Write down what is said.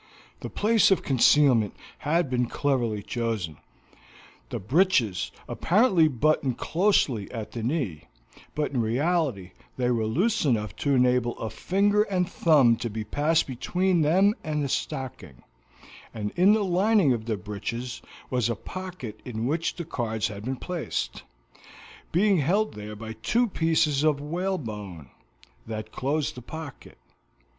The place of concealment had been cleverly chosen; the breeches apparently buttoned closely at the knee, but in reality they were loose enough to enable a finger and thumb to be passed between them and the stocking, and in the lining of the breeches was a pocket in which the cards had been placed, being held there by two pieces of whalebone, that closed the pocket.